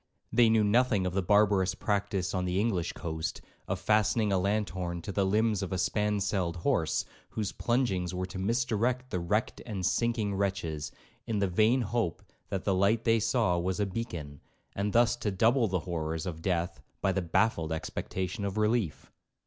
They knew nothing of the barbarous practice on the English coast, of fastening a lanthorn to the limbs of a spanselled horse, whose plungings were to misdirect the wrecked and sinking wretches, in the vain hope that the light they saw was a beacon, and thus to double the horrors of death by the baffled expectation of relief.